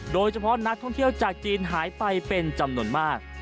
โดยเฉพาะนักท่องเที่ยวจากจีนหายไปเป็นจำนวนมาก